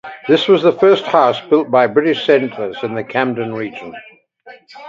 This was the first house built by British settlers in the Camden region.